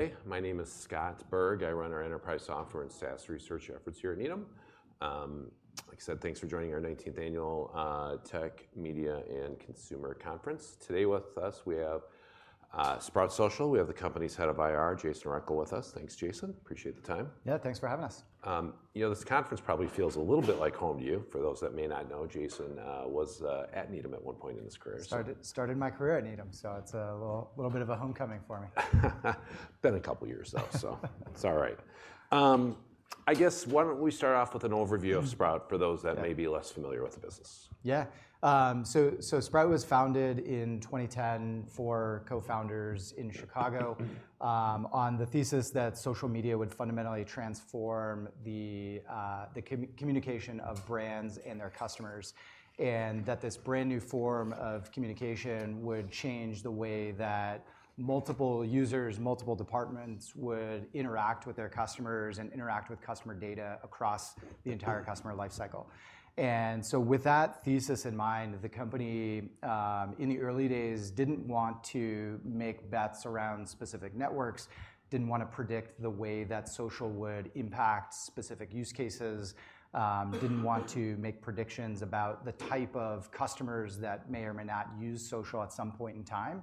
Hey, my name is Scott Berg. I run our enterprise software and SaaS research efforts here at Needham. Like I said, thanks for joining our 19th Annual Tech, Media, and Consumer Conference. Today with us, we have Sprout Social. We have the company's head of IR, Jason Rechel, with us. Thanks, Jason, appreciate the time. Yeah, thanks for having us. You know, this conference probably feels a little bit like home to you. For those that may not know, Jason was at Needham at one point in his career. Started my career at Needham, so it's a little bit of a homecoming for me. Been a couple of years, though, it's all right. I guess why don't we start off with an overview of Sprout. Yeah For those that may be less familiar with the business? Yeah. So, Sprout was founded in 2010, four co-founders in Chicago, on the thesis that social media would fundamentally transform the communication of brands and their customers, and that this brand-new form of communication would change the way that multiple users, multiple departments, would interact with their customers and interact with customer data across the entire customer life cycle. So with that thesis in mind, the company, in the early days didn't want to make bets around specific networks, didn't wanna predict the way that social would impact specific use cases, didn't want to make predictions about the type of customers that may or may not use social at some point in time.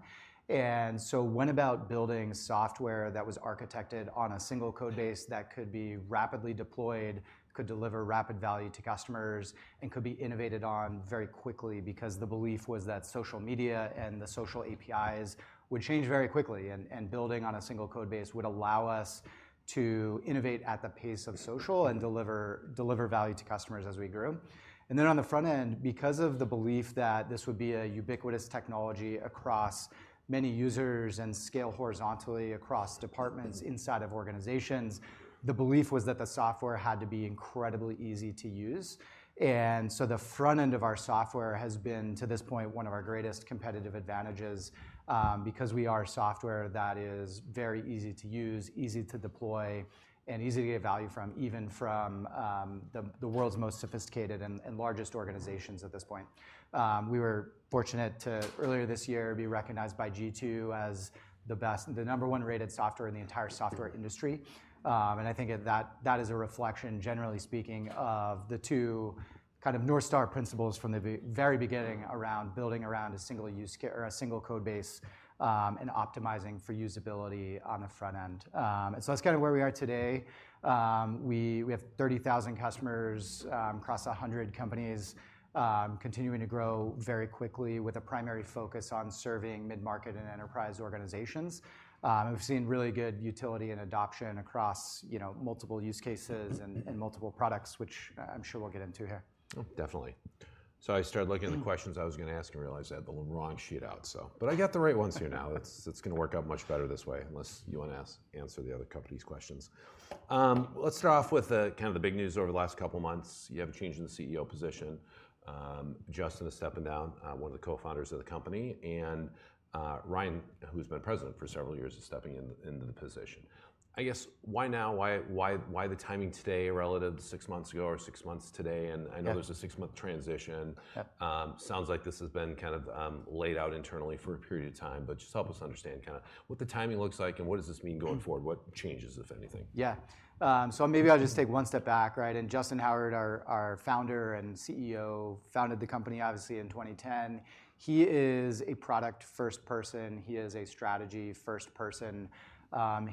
And so went about building software that was architected on a single code base that could be rapidly deployed, could deliver rapid value to customers, and could be innovated on very quickly. Because the belief was that social media and the social APIs would change very quickly, and, and building on a single code base would allow us to innovate at the pace of social and deliver, deliver value to customers as we grew. And then, on the front end, because of the belief that this would be a ubiquitous technology across many users and scale horizontally across departments inside of organizations, the belief was that the software had to be incredibly easy to use. The front end of our software has been, to this point, one of our greatest competitive advantages, because we are a software that is very easy to use, easy to deploy, and easy to get value from, even from the world's most sophisticated and largest organizations at this point. We were fortunate to, earlier this year, be recognized by G2 as the number one rated software in the entire software industry. I think that is a reflection, generally speaking, of the two kind of North Star principles from the very beginning around building around a single use or a single code base, and optimizing for usability on the front end. That's kind of where we are today. We have 30,000 customers across 100 companies, continuing to grow very quickly with a primary focus on serving mid-market and enterprise organizations. And we've seen really good utility and adoption across, you know, multiple use cases and multiple products, which I'm sure we'll get into here. Oh, definitely. So I started looking at the questions I was gonna ask and realized I had the wrong sheet out, so. But I got the right ones here now. It's, it's gonna work out much better this way, unless you wanna answer the other company's questions. Let's start off with kind of the big news over the last couple of months. You have a change in the CEO position. Justyn is stepping down, one of the co-founders of the company, and Ryan, who's been president for several years, is stepping in, into the position. I guess, why now? Why, why, why the timing today relative to six months ago or six months today? Yeah. I know there's a six-month transition. Yeah. Sounds like this has been kind of laid out internally for a period of time, but just help us understand kinda what the timing looks like, and what does this mean going forward? What changes, if anything? Yeah. So maybe I'll just take one step back, right? Justyn Howard, our founder and CEO, founded the company, obviously, in 2010. He is a product-first person. He is a strategy-first person.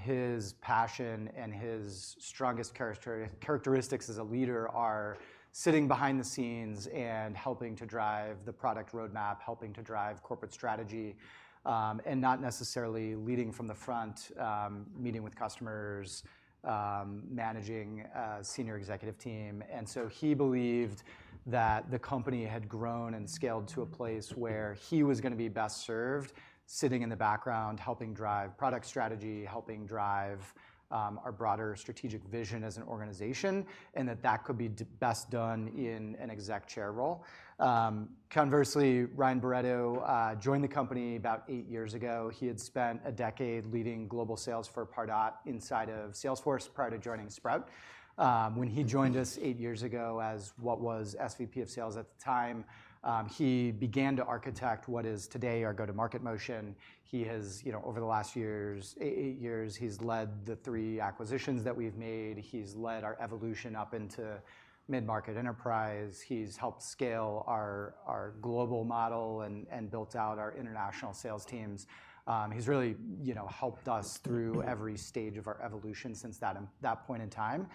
His passion and his strongest characteristics as a leader are sitting behind the scenes and helping to drive the product roadmap, helping to drive corporate strategy, and not necessarily leading from the front, meeting with customers, managing a senior executive team. So he believed that the company had grown and scaled to a place where he was gonna be best served sitting in the background, helping drive product strategy, helping drive our broader strategic vision as an organization, and that could be best done in an exec chair role. Conversely, Ryan Barretto joined the company about eight years ago. He had spent a decade leading global sales for Pardot inside of Salesforce prior to joining Sprout. When he joined us eight years ago, as what was SVP of Sales at the time, he began to architect what is today our go-to-market motion. He has, you know, over the last eight years, he's led the three acquisitions that we've made. He's led our evolution up into mid-market enterprise. He's helped scale our global model and built out our international sales teams. He's really, you know, helped us through every stage of our evolution since that point in time.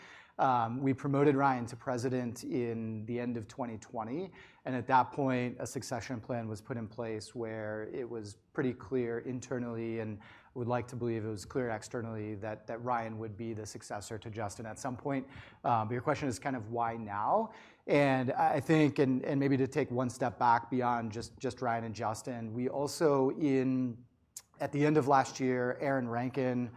We promoted Ryan to president in the end of 2020, and at that point, a succession plan was put in place where it was pretty clear internally, and we'd like to believe it was clear externally, that Ryan would be the successor to Justyn at some point. But your question is kind of why now, and I think, and maybe to take one step back beyond just Ryan and Justyn, we also at the end of last year, Aaron Rankin,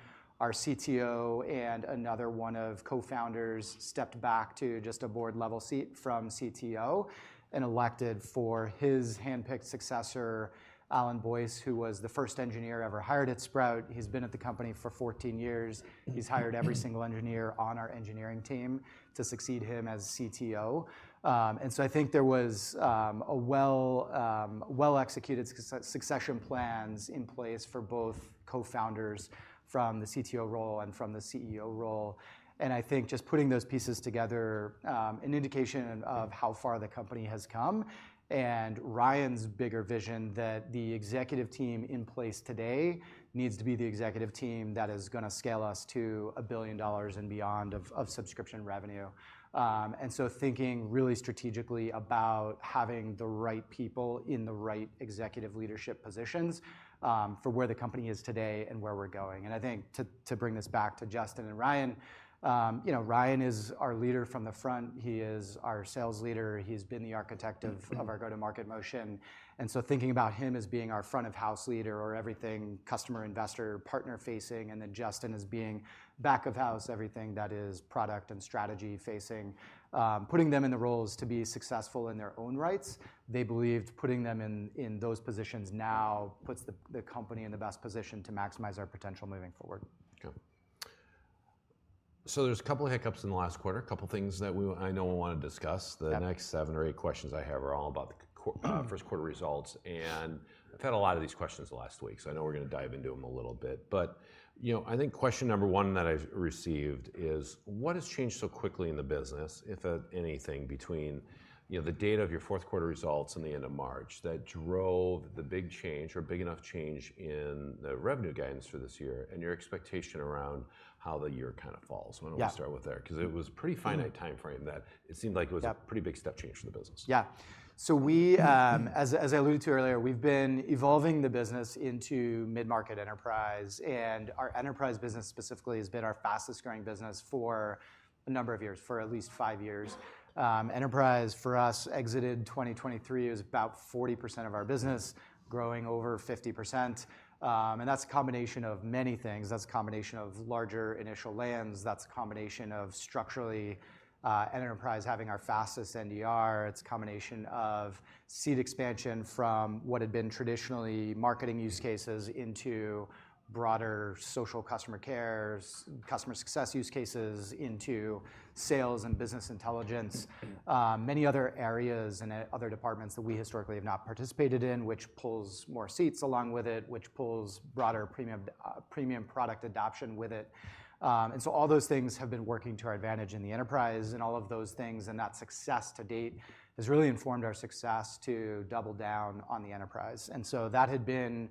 our CTO, and another one of co-founders, stepped back to just a board level seat from CTO, and elected for his handpicked successor, Alan Boyce, who was the first engineer ever hired at Sprout. He's been at the company for 14 years. He's hired every single engineer on our engineering team to succeed him as CTO. I think there was a well-executed succession plans in place for both co-founders from the CTO role and from the CEO role. And I think just putting those pieces together, an indication of how far the company has come, and Ryan's bigger vision that the executive team in place today needs to be the executive team that is gonna scale us to $1 billion and beyond of subscription revenue. So thinking really strategically about having the right people in the right executive leadership positions for where the company is today and where we're going. And I think to bring this back to Justyn and Ryan, you know, Ryan is our leader from the front. He is our sales leader. He's been the architect of, of our go-to-market motion, and so thinking about him as being our front of house leader or everything, customer, investor, partner facing, and then Justyn as being back of house, everything that is product and strategy facing. Putting them in the roles to be successful in their own rights, they believed putting them in, in those positions now puts the, the company in the best position to maximize our potential moving forward. Okay. There's a couple of hiccups in the last quarter, a couple of things that we, I know we wanna discuss. Yeah. The next seven or eight questions I have are all about the first quarter results, and I've had a lot of these questions the last week, so I know we're gonna dive into them a little bit. But, you know, I think question number one that I've received is: What has changed so quickly in the business, if anything, between, you know, the date of your fourth quarter results in the end of March, that drove the big change or big enough change in the revenue guidance for this year, and your expectation around how the year kind of falls? Yeah. Why don't we start with there? 'Cause it was a pretty finite time frame that it seemed like it was- Yeah a pretty big step change for the business. Yeah. So we, as I alluded to earlier, we've been evolving the business into mid-market enterprise, and our enterprise business specifically has been our fastest growing business for a number of years, for at least five years. Enterprise, for us, exited 2023, it was about 40% of our business, growing over 50%. And that's a combination of many things. That's a combination of larger initial lands, that's a combination of structurally, an enterprise having our fastest NDR, it's a combination of seat expansion from what had been traditionally marketing use cases into broader social customer care, customer success use cases, into sales and business intelligence. Many other areas and other departments that we historically have not participated in, which pulls more seats along with it, which pulls broader premium product adoption with it. And so all those things have been working to our advantage in the enterprise, and all of those things, and that success to date, has really informed our success to double down on the enterprise. And so that had been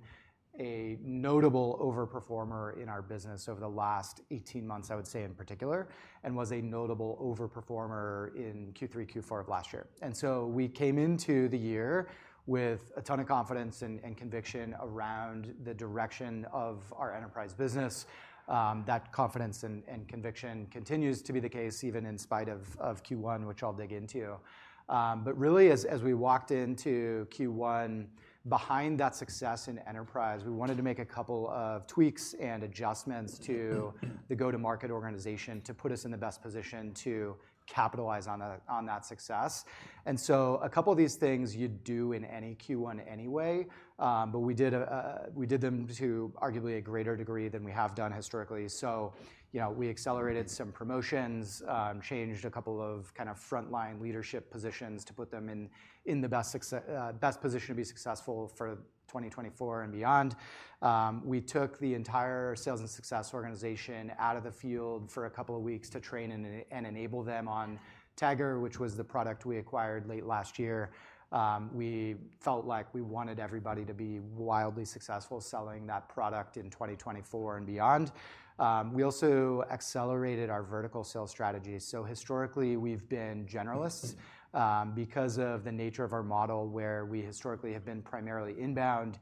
a notable overperformer in our business over the last 18 months, I would say, in particular, and was a notable overperformer in Q3, Q4 of last year. And so we came into the year with a ton of confidence and conviction around the direction of our enterprise business. That confidence and conviction continues to be the case even in spite of Q1, which I'll dig into. But really, as we walked into Q1, behind that success in enterprise, we wanted to make a couple of tweaks and adjustments to the go-to-market organization to put us in the best position to capitalize on that success. So a couple of these things you'd do in any Q1 anyway, but we did them to arguably a greater degree than we have done historically. So, you know, we accelerated some promotions, changed a couple of kind of frontline leadership positions to put them in the best position to be successful for 2024 and beyond. We took the entire sales and success organization out of the field for a couple of weeks to train and enable them on Tagger, which was the product we acquired late last year. We felt like we wanted everybody to be wildly successful selling that product in 2024 and beyond. We also accelerated our vertical sales strategy. So historically, we've been generalists, because of the nature of our model, where we historically have been primarily inbound,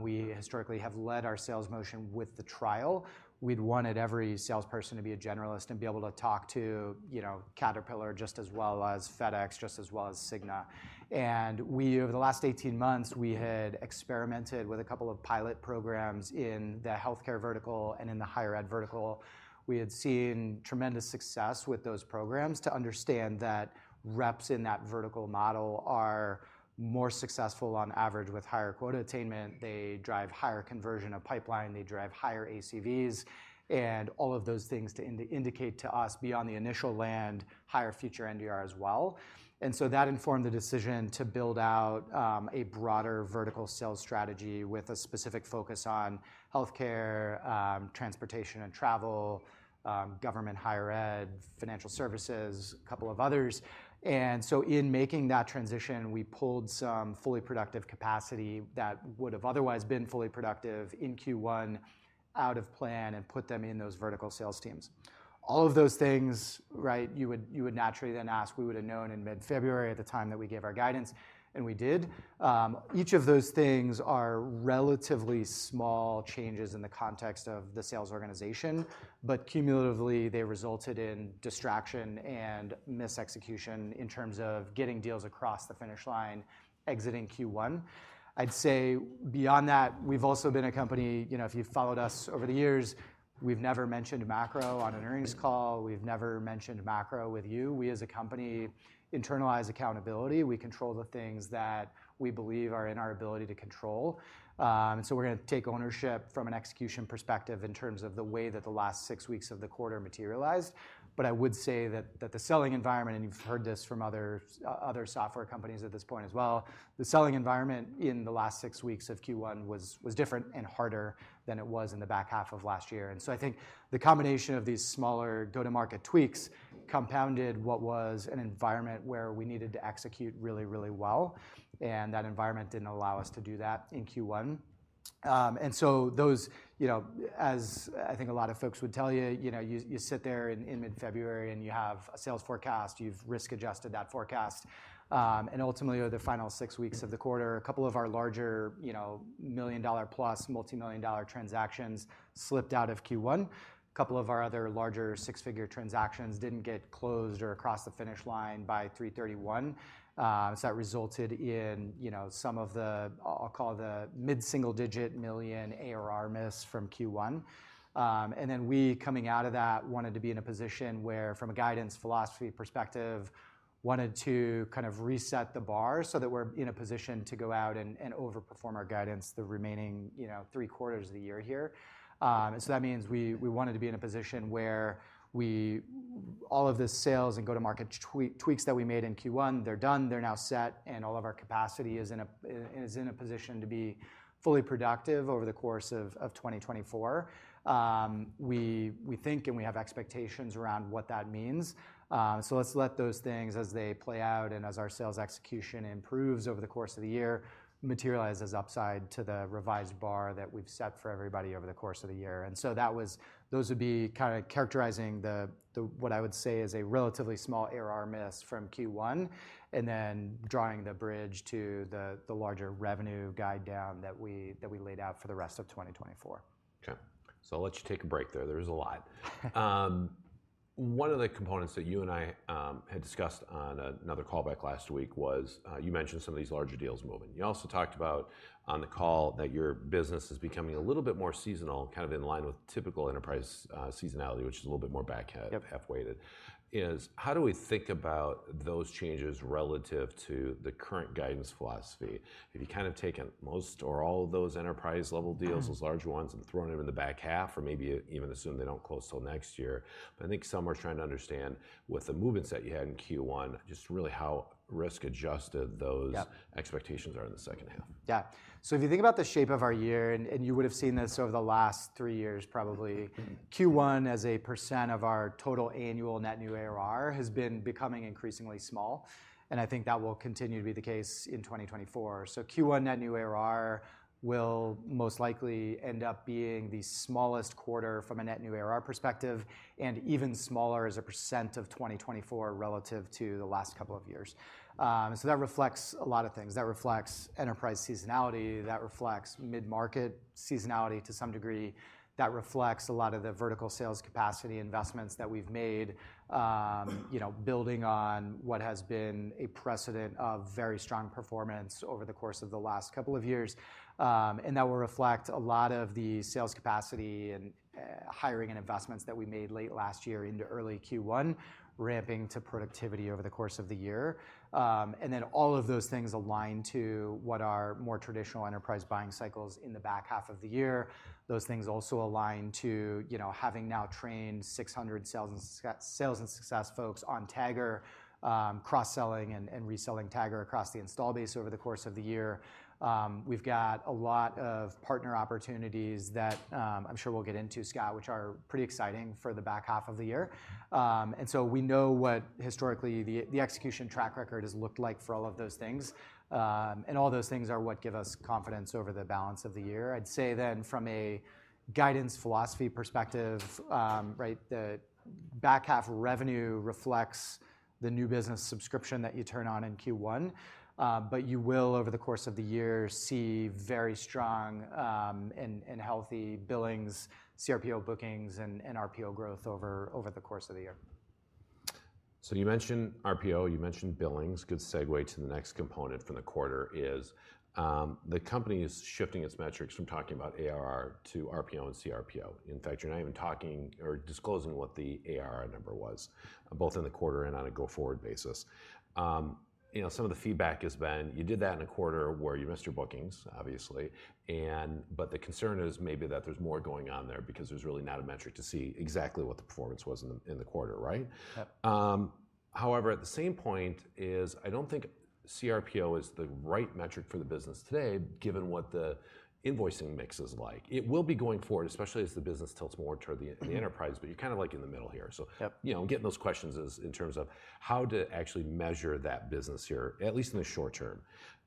we historically have led our sales motion with the trial. We'd wanted every salesperson to be a generalist and be able to talk to, you know, Caterpillar just as well as FedEx, just as well as Cigna. And we, over the last 18 months, we had experimented with a couple of pilot programs in the healthcare vertical and in the higher ed vertical. We had seen tremendous success with those programs, to understand that reps in that vertical model are more successful on average, with higher quota attainment, they drive higher conversion of pipeline, they drive higher ACVs, and all of those things to indicate to us, beyond the initial land, higher future NDR as well. And so that informed the decision to build out a broader vertical sales strategy with a specific focus on healthcare, transportation and travel, government, higher ed, financial services, a couple of others. And so in making that transition, we pulled some fully productive capacity that would have otherwise been fully productive in Q1 out of plan and put them in those vertical sales teams. All of those things, right, you would, you would naturally then ask, we would have known in mid-February at the time that we gave our guidance, and we did. Each of those things are relatively small changes in the context of the sales organization, but cumulatively, they resulted in distraction and misexecution in terms of getting deals across the finish line exiting Q1. I'd say beyond that, we've also been a company, you know, if you've followed us over the years, we've never mentioned macro on an earnings call. We've never mentioned macro with you. We, as a company, internalize accountability. We control the things that we believe are in our ability to control. And so we're gonna take ownership from an execution perspective in terms of the way that the last six weeks of the quarter materialized. But I would say that the selling environment, and you've heard this from other software companies at this point as well, the selling environment in the last six weeks of Q1 was different and harder than it was in the back half of last year. And so I think the combination of these smaller go-to-market tweaks compounded what was an environment where we needed to execute really, really well, and that environment didn't allow us to do that in Q1. And so those, you know, as I think a lot of folks would tell you, you know, you sit there in mid-February and you have a sales forecast, you've risk-adjusted that forecast. And ultimately, over the final six weeks of the quarter, a couple of our larger, you know, million-dollar plus, multimillion dollar transactions slipped out of Q1. Couple of our other larger six-figure transactions didn't get closed or across the finish line by 3/31. So that resulted in, you know, some of the, I'll call it the mid-single-digit million ARR miss from Q1. And then we, coming out of that, wanted to be in a position where, from a guidance philosophy perspective, wanted to kind of reset the bar so that we're in a position to go out and overperform our guidance the remaining, you know, three quarters of the year here. And so that means we wanted to be in a position where all of the sales and go-to-market tweaks that we made in Q1, they're done, they're now set, and all of our capacity is in a position to be fully productive over the course of 2024. We think, and we have expectations around what that means. So let's let those things, as they play out and as our sales execution improves over the course of the year, materialize as upside to the revised bar that we've set for everybody over the course of the year. And so those would be kinda characterizing the what I would say is a relatively small ARR miss from Q1, and then drawing the bridge to the larger revenue guide down that we laid out for the rest of 2024. Okay. So I'll let you take a break there. There is a lot. One of the components that you and I had discussed on another call back last week was, you mentioned some of these larger deals moving. You also talked about on the call that your business is becoming a little bit more seasonal, kind of in line with typical enterprise seasonality, which is a little bit more back half- Yep half-weighted. Is how do we think about those changes relative to the current guidance philosophy? Have you kind of taken most or all of those enterprise-level deals- Mm-hmm those large ones, and thrown them in the back half, or maybe even assume they don't close till next year? But I think some are trying to understand, with the movements that you had in Q1, just really how risk-adjusted those- Yep... expectations are in the second half. Yeah. So if you think about the shape of our year, and you would've seen this over the last three years probably, Q1, as a percent of our total annual net new ARR, has been becoming increasingly small, and I think that will continue to be the case in 2024. So Q1 net new ARR will most likely end up being the smallest quarter from a net new ARR perspective, and even smaller as a percent of 2024 relative to the last couple of years. So that reflects a lot of things. That reflects enterprise seasonality, that reflects mid-market seasonality to some degree, that reflects a lot of the vertical sales capacity investments that we've made, you know, building on what has been a precedent of very strong performance over the course of the last couple of years. And that will reflect a lot of the sales capacity and, hiring and investments that we made late last year into early Q1, ramping to productivity over the course of the year. And then all of those things align to what are more traditional enterprise buying cycles in the back half of the year. Those things also align to, you know, having now trained 600 sales and success folks on Tagger, cross-selling and reselling Tagger across the install base over the course of the year. We've got a lot of partner opportunities that, I'm sure we'll get into, Scott, which are pretty exciting for the back half of the year. And so we know what historically the execution track record has looked like for all of those things. And all those things are what give us confidence over the balance of the year. I'd say, from a guidance philosophy perspective, right, the back half revenue reflects the new business subscription that you turn on in Q1. But you will, over the course of the year, see very strong and healthy billings, CRPO bookings, and RPO growth over the course of the year. So you mentioned RPO, you mentioned billings. Good segue to the next component from the quarter is the company is shifting its metrics from talking about ARR to RPO and CRPO. In fact, you're not even talking or disclosing what the ARR number was, both in the quarter and on a go-forward basis. You know, some of the feedback has been, you did that in a quarter where you missed your bookings, obviously, and but the concern is maybe that there's more going on there, because there's really not a metric to see exactly what the performance was in the quarter, right? Yep. However, at the same point is, I don't think CRPO is the right metric for the business today, given what the invoicing mix is like. It will be going forward, especially as the business tilts more toward the enterprise- Mm-hmm... but you're kind of, like, in the middle here. Yep You know, I'm getting those questions as in terms of how to actually measure that business here, at least in the short term.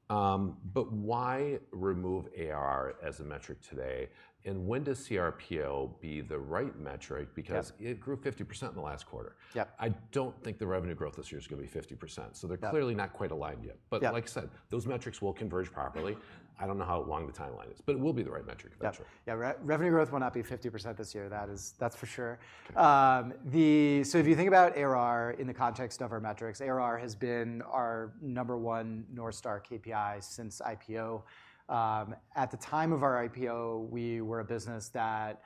But why remove ARR as a metric today, and when does CRPO be the right metric? Yep. Because it grew 50% in the last quarter. Yep. I don't think the revenue growth this year is gonna be 50%, so- Yep... they're clearly not quite aligned yet. Yep. But like I said, those metrics will converge properly. I don't know how long the timeline is, but it will be the right metric eventually. Yep. Yeah, revenue growth will not be 50% this year. That is... That's for sure. Okay. So if you think about ARR in the context of our metrics, ARR has been our number one North Star KPI since IPO. At the time of our IPO, we were a business that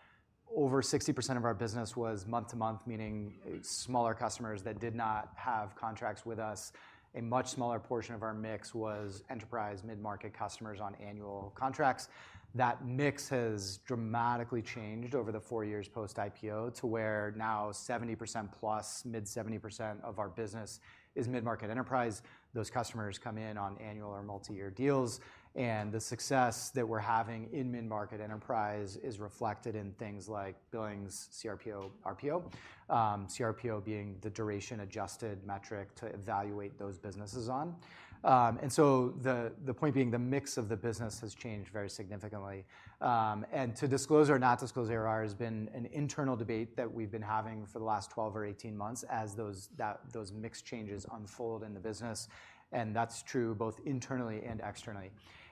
over 60% of our business was month-to-month, meaning smaller customers that did not have contracts with us. A much smaller portion of our mix was enterprise mid-market customers on annual contracts. That mix has dramatically changed over the four years post-IPO, to where now 70% plus, mid-70% of our business is mid-market enterprise. Those customers come in on annual or multi-year deals, and the success that we're having in mid-market enterprise is reflected in things like billings, CRPO, RPO. CRPO being the duration adjusted metric to evaluate those businesses on. And so the point being, the mix of the business has changed very significantly. And to disclose or not disclose ARR has been an internal debate that we've been having for the last 12 or 18 months as those mix changes unfold in the business, and that's true both internally and externally.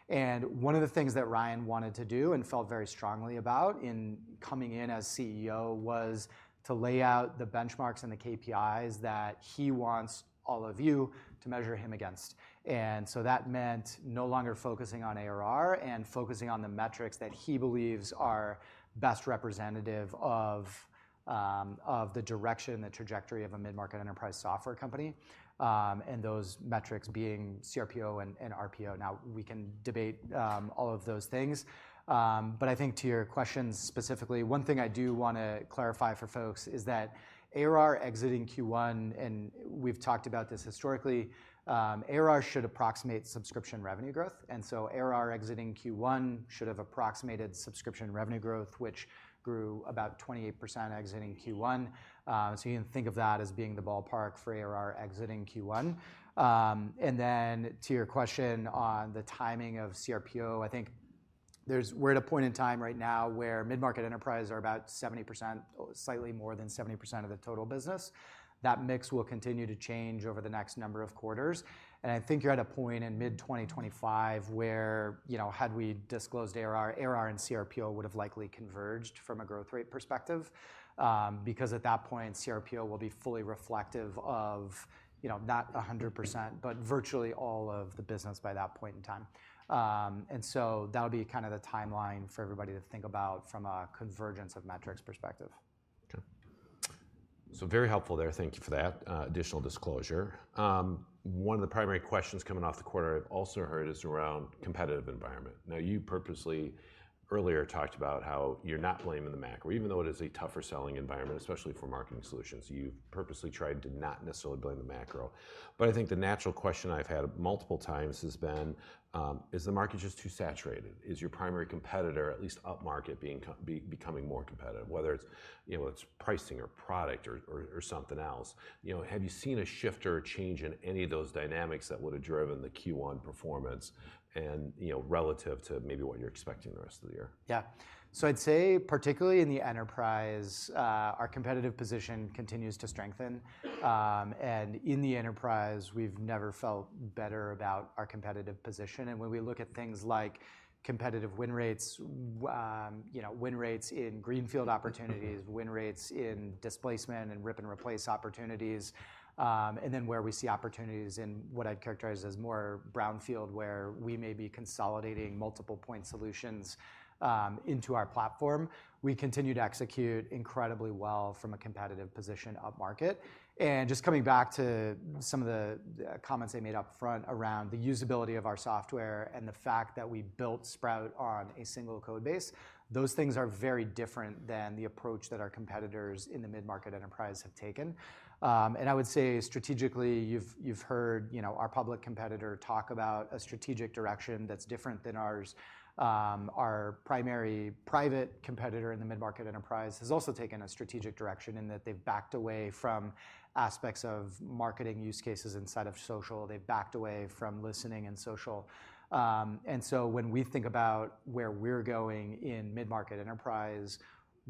And one of the things that Ryan wanted to do, and felt very strongly about in coming in as CEO, was to lay out the benchmarks and the KPIs that he wants all of you to measure him against. And so that meant no longer focusing on ARR, and focusing on the metrics that he believes are best representative of, of the direction, the trajectory of a mid-market enterprise software company, and those metrics being CRPO and, and RPO. Now, we can debate all of those things, but I think to your question specifically, one thing I do wanna clarify for folks is that ARR exiting Q1, and we've talked about this historically, ARR should approximate subscription revenue growth, and so ARR exiting Q1 should have approximated subscription revenue growth, which grew about 28% exiting Q1. So you can think of that as being the ballpark for ARR exiting Q1. And then to your question on the timing of CRPO, I think there's. We're at a point in time right now where mid-market enterprise are about 70%, or slightly more than 70% of the total business. That mix will continue to change over the next number of quarters, and I think you're at a point in mid 2025, where, you know, had we disclosed ARR. ARR and CRPO would've likely converged from a growth rate perspective. Because at that point, CRPO will be fully reflective of, you know, not 100%, but virtually all of the business by that point in time. And so that'll be kinda the timeline for everybody to think about from a convergence of metrics perspective. Okay. So very helpful there. Thank you for that, additional disclosure. One of the primary questions coming off the quarter I've also heard, is around competitive environment. Now, you purposely earlier talked about how you're not blaming the macro, even though it is a tougher selling environment, especially for marketing solutions. You've purposely tried to not necessarily blame the macro. But I think the natural question I've had multiple times has been: Is the market just too saturated? Is your primary competitor, at least upmarket, becoming more competitive, whether it's, you know, it's pricing or product or, or, or something else? You know, have you seen a shift or a change in any of those dynamics that would've driven the Q1 performance and, you know, relative to maybe what you're expecting the rest of the year? Yeah. So I'd say, particularly in the enterprise, our competitive position continues to strengthen. And in the enterprise, we've never felt better about our competitive position, and when we look at things like competitive win rates, you know, win rates in greenfield opportunities, win rates in displacement, and rip and replace opportunities, and then where we see opportunities in what I'd characterize as more brownfield, where we may be consolidating multiple point solutions into our platform, we continue to execute incredibly well from a competitive position upmarket. And just coming back to some of the comments I made up front around the usability of our software, and the fact that we built Sprout on a single code base, those things are very different than the approach that our competitors in the mid-market enterprise have taken. And I would say strategically, you've, you've heard, you know, our public competitor talk about a strategic direction that's different than ours. Our primary private competitor in the mid-market enterprise has also taken a strategic direction, in that they've backed away from aspects of marketing use cases inside of social. They've backed away from listening and social. And so when we think about where we're going in mid-market enterprise,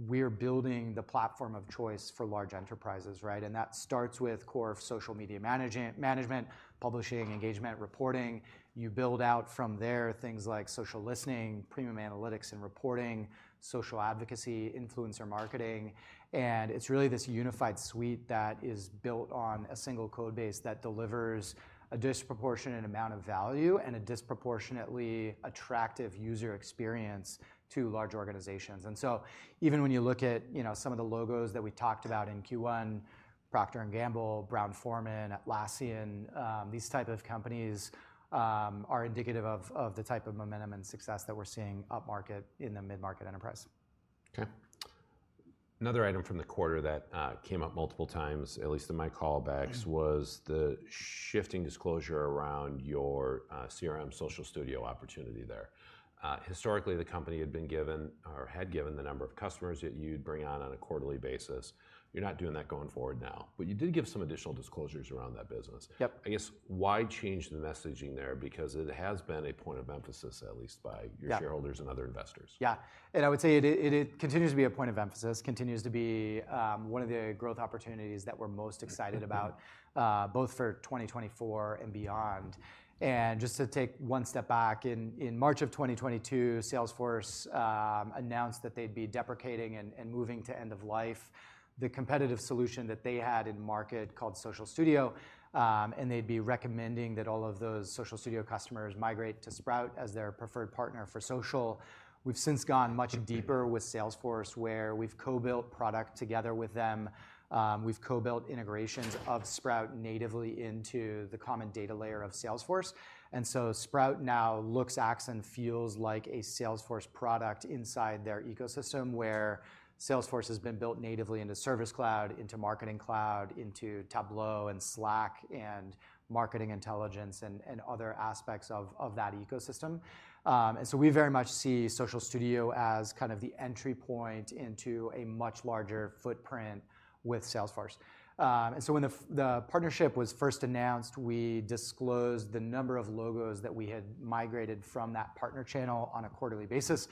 we're building the platform of choice for large enterprises, right? And that starts with core social media management, publishing, engagement, reporting. You build out from there, things like social listening, premium analytics and reporting, social advocacy, influencer marketing, and it's really this unified suite that is built on a single code base, that delivers a disproportionate amount of value, and a disproportionately attractive user experience to large organizations. And so even when you look at, you know, some of the logos that we talked about in Q1, Procter & Gamble, Brown-Forman, Atlassian, these type of companies, are indicative of the type of momentum and success that we're seeing upmarket in the mid-market enterprise. Okay. Another item from the quarter that came up multiple times, at least in my callbacks, was the shifting disclosure around your CRM Social Studio opportunity there. Historically, the company had been given or had given the number of customers that you'd bring on, on a quarterly basis. You're not doing that going forward now, but you did give some additional disclosures around that business. Yep. I guess, why change the messaging there? Because it has been a point of emphasis, at least by- Yeah - your shareholders and other investors. Yeah, and I would say it continues to be a point of emphasis, continues to be one of the growth opportunities that we're most excited about both for 2024 and beyond. And just to take one step back, in March of 2022, Salesforce announced that they'd be deprecating and moving to end of life, the competitive solution that they had in market called Social Studio, and they'd be recommending that all of those Social Studio customers migrate to Sprout as their preferred partner for social. We've since gone much deeper with Salesforce, where we've co-built product together with them. We've co-built integrations of Sprout natively into the common data layer of Salesforce, and so Sprout now looks, acts, and feels like a Salesforce product inside their ecosystem, where Salesforce has been built natively into Service Cloud, into Marketing Cloud, into Tableau, and Slack, and Marketing Intelligence, and other aspects of that ecosystem. And so we very much see Social Studio as kind of the entry point into a much larger footprint with Salesforce. And so when the partnership was first announced, we disclosed the number of logos that we had migrated from that partner channel on a quarterly basis.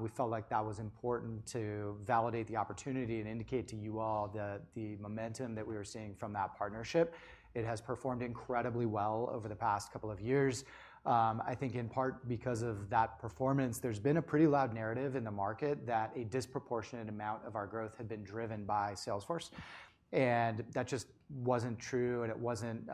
We felt like that was important to validate the opportunity and indicate to you all the momentum that we were seeing from that partnership. It has performed incredibly well over the past couple of years. I think in part, because of that performance, there's been a pretty loud narrative in the market that a disproportionate amount of our growth had been driven by Salesforce, and that just wasn't true, and it wasn't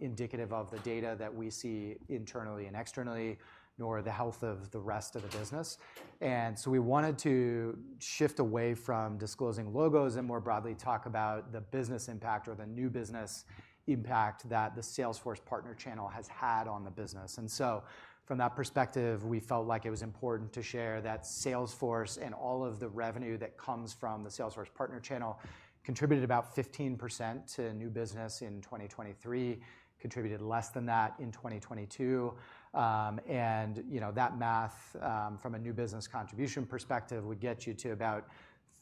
indicative of the data that we see internally and externally, nor the health of the rest of the business. And so we wanted to shift away from disclosing logos, and more broadly, talk about the business impact or the new business impact that the Salesforce partner channel has had on the business. And so from that perspective, we felt like it was important to share that Salesforce and all of the revenue that comes from the Salesforce partner channel, contributed about 15% to new business in 2023, contributed less than that in 2022. And you know, that math from a new business contribution perspective would get you to about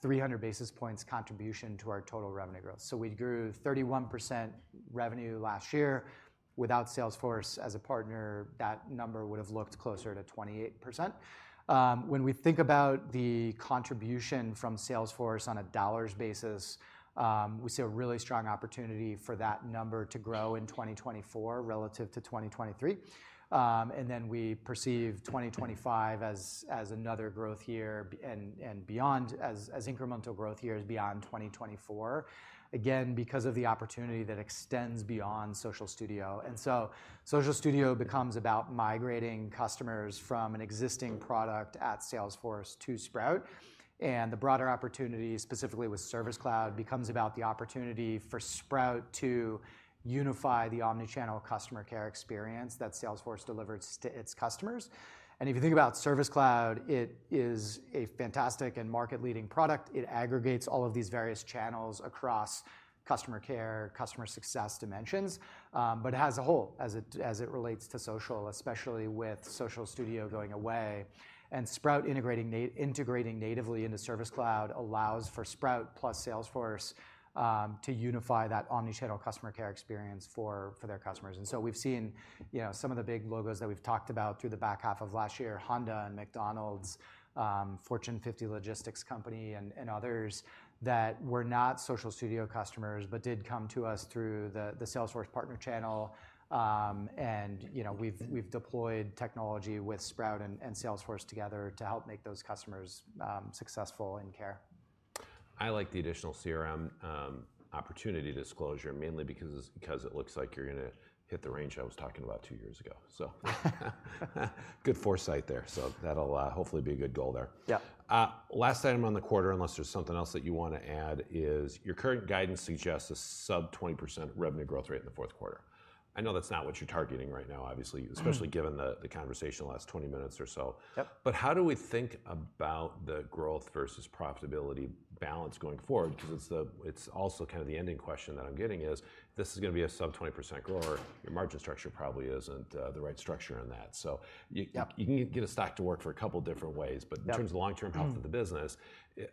300 basis points contribution to our total revenue growth. So we grew 31% revenue last year. Without Salesforce as a partner, that number would have looked closer to 28%. When we think about the contribution from Salesforce on a dollars basis, we see a really strong opportunity for that number to grow in 2024 relative to 2023. And then we perceive 2025 as another growth year and beyond as incremental growth years beyond 2024, again, because of the opportunity that extends beyond Social Studio. So Social Studio becomes about migrating customers from an existing product at Salesforce to Sprout, and the broader opportunity, specifically with Service Cloud, becomes about the opportunity for Sprout to unify the omni-channel customer care experience that Salesforce delivers to its customers. And if you think about Service Cloud, it is a fantastic and market-leading product. It aggregates all of these various channels across customer care, customer success dimensions, but it has a hole, as it relates to social, especially with Social Studio going away. And Sprout integrating natively into Service Cloud allows for Sprout plus Salesforce to unify that omni-channel customer care experience for their customers. We've seen, you know, some of the big logos that we've talked about through the back half of last year, Honda and McDonald's, Fortune 50 logistics company and others, that were not Social Studio customers, but did come to us through the Salesforce partner channel. You know, we've deployed technology with Sprout and Salesforce together to help make those customers successful in care. I like the additional CRM opportunity disclosure, mainly because it looks like you're gonna hit the range I was talking about two years ago. So good foresight there. So that'll hopefully be a good goal there. Yep. Last item on the quarter, unless there's something else that you wanna add, is your current guidance suggests a sub-20% revenue growth rate in the fourth quarter. I know that's not what you're targeting right now, obviously- Mm-hmm especially given the conversation the last 20 minutes or so. Yep. But how do we think about the growth versus profitability balance going forward? Because it's it's also kind of the ending question that I'm getting, is, if this is gonna be a sub-20% grower, your margin structure probably isn't the right structure in that. So you- Yep you can get a stock to work for a couple different ways. Yep. But in terms of long-term health- Mm of the business,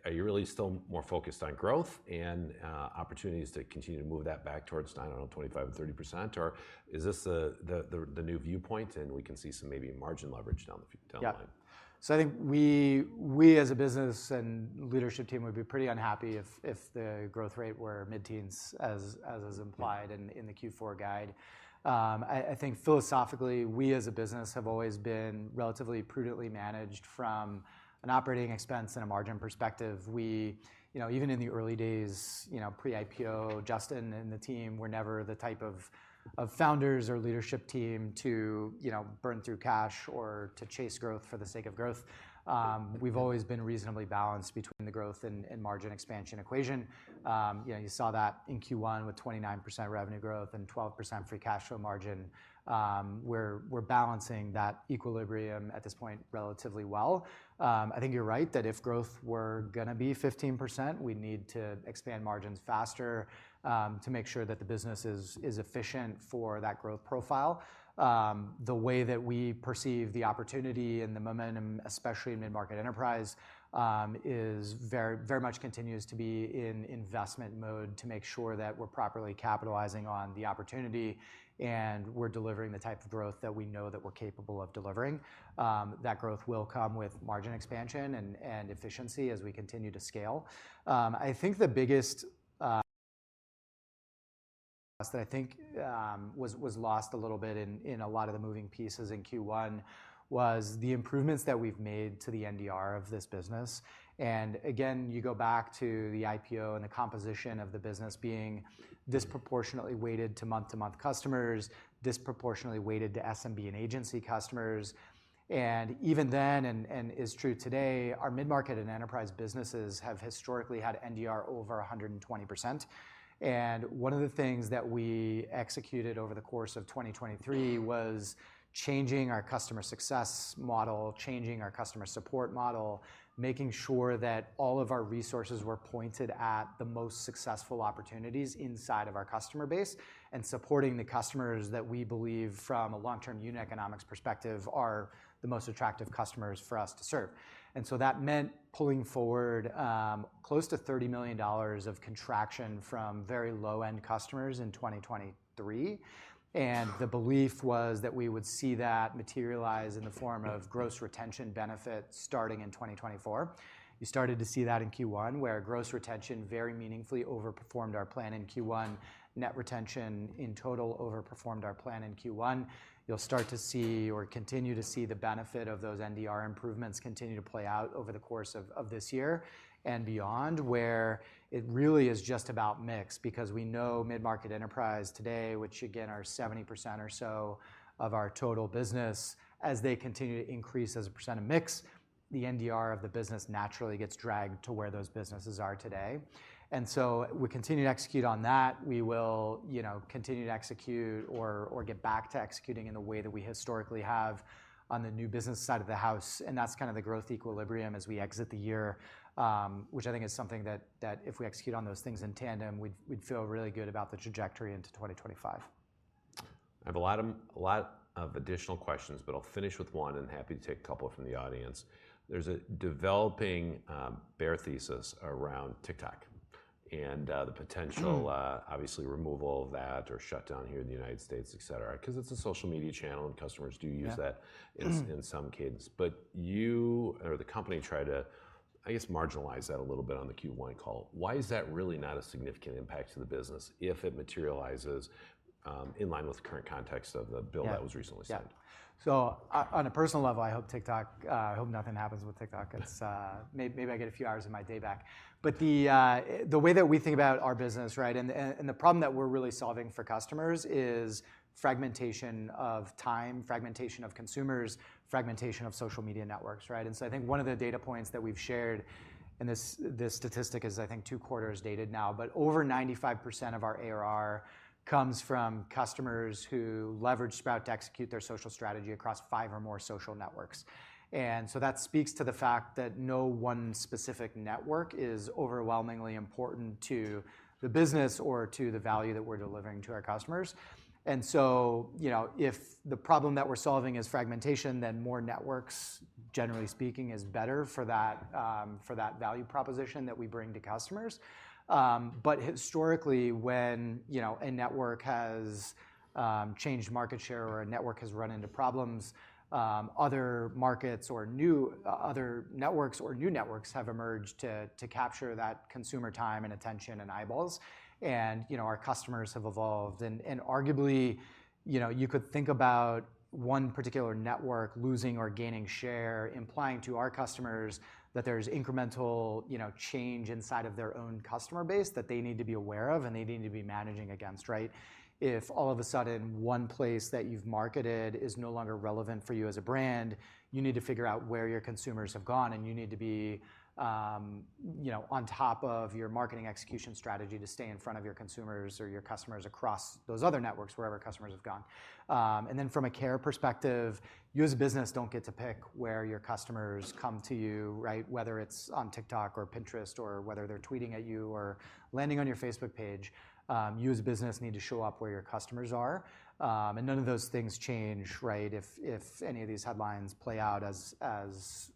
are you really still more focused on growth and opportunities to continue to move that back towards, I don't know, 25%-30%, or is this the new viewpoint, and we can see some maybe margin leverage down the line? Yep. So I think we, as a business and leadership team, would be pretty unhappy if the growth rate were mid-teens as is implied- Yeah in the Q4 guide. I think philosophically, we, as a business, have always been relatively prudently managed from an operating expense and a margin perspective. We, you know, even in the early days, you know, pre-IPO, Justyn and the team were never the type of, of founders or leadership team to, you know, burn through cash or to chase growth for the sake of growth. We've always been reasonably balanced between the growth and, and margin expansion equation. You know, you saw that in Q1 with 29% revenue growth and 12% free cash flow margin. We're, we're balancing that equilibrium at this point relatively well. I think you're right, that if growth were gonna be 15%, we'd need to expand margins faster, to make sure that the business is, is efficient for that growth profile. The way that we perceive the opportunity and the momentum, especially in mid-market enterprise, is very, very much continues to be in investment mode, to make sure that we're properly capitalizing on the opportunity, and we're delivering the type of growth that we know that we're capable of delivering. That growth will come with margin expansion and efficiency as we continue to scale. I think the biggest that I think was lost a little bit in a lot of the moving pieces in Q1 was the improvements that we've made to the NDR of this business. And again, you go back to the IPO and the composition of the business being disproportionately weighted to month-to-month customers, disproportionately weighted to SMB and agency customers. And even then, is true today, our mid-market and enterprise businesses have historically had NDR over 120%. One of the things that we executed over the course of 2023 was changing our customer success model, changing our customer support model, making sure that all of our resources were pointed at the most successful opportunities inside of our customer base, and supporting the customers that we believe, from a long-term unit economics perspective, are the most attractive customers for us to serve. So that meant pulling forward close to $30 million of contraction from very low-end customers in 2023, and the belief was that we would see that materialize in the form of gross retention benefits starting in 2024. You started to see that in Q1, where gross retention very meaningfully overperformed our plan in Q1. Net retention, in total, overperformed our plan in Q1. You'll start to see or continue to see the benefit of those NDR improvements continue to play out over the course of this year and beyond, where it really is just about mix. Because we know mid-market enterprise today, which again, are 70% or so of our total business, as they continue to increase as a percent of mix, the NDR of the business naturally gets dragged to where those businesses are today, and so we continue to execute on that. We will, you know, continue to execute or get back to executing in the way that we historically have on the new business side of the house, and that's kind of the growth equilibrium as we exit the year. Which I think is something that if we execute on those things in tandem, we'd feel really good about the trajectory into 2025. I have a lot of additional questions, but I'll finish with one, and happy to take a couple from the audience. There's a developing bear thesis around TikTok, and the potential- Mm. Obviously, removal of that or shutdown here in the United States, et cetera, 'cause it's a social media channel, and customers do use that- Yeah. - in, Mm. In some cases. But you or the company tried to, I guess, marginalize that a little bit on the Q1 call. Why is that really not a significant impact to the business if it materializes in line with the current context of the bill? Yeah... that was recently signed? Yeah. So on a personal level, I hope TikTok. I hope nothing happens with TikTok. It's maybe I get a few hours of my day back. But the way that we think about our business, right, and and the problem that we're really solving for customers is fragmentation of time, fragmentation of consumers, fragmentation of social media networks, right? And so I think one of the data points that we've shared, and this this statistic is, I think, two quarters dated now, but over 95% of our ARR comes from customers who leverage Sprout to execute their social strategy across five or more social networks. And so that speaks to the fact that no one specific network is overwhelmingly important to the business or to the value that we're delivering to our customers. And so, you know, if the problem that we're solving is fragmentation, then more networks, generally speaking, is better for that, for that value proposition that we bring to customers. But historically, when, you know, a network has changed market share or a network has run into problems, other markets or new, other networks or new networks have emerged to capture that consumer time and attention and eyeballs. And, you know, our customers have evolved, and arguably, you know, you could think about one particular network losing or gaining share, implying to our customers that there's incremental, you know, change inside of their own customer base that they need to be aware of, and they need to be managing against, right? If all of a sudden one place that you've marketed is no longer relevant for you as a brand, you need to figure out where your consumers have gone, and you need to be, you know, on top of your marketing execution strategy to stay in front of your consumers or your customers across those other networks, wherever customers have gone. And then from a care perspective, you as a business don't get to pick where your customers come to you, right? Whether it's on TikTok or Pinterest, or whether they're tweeting at you or landing on your Facebook page, you as a business need to show up where your customers are. And none of those things change, right? If any of these headlines play out as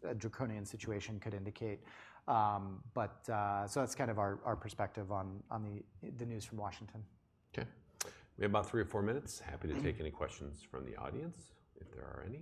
a draconian situation could indicate. But So that's kind of our perspective on the news from Washington. Okay. We have about three or four minutes. Mm-hmm. Happy to take any questions from the audience, if there are any.